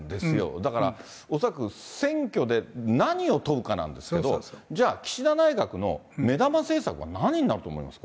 だから恐らく選挙で何を問うかなんですけど、じゃあ、岸田内閣の目玉政策は何になると思います？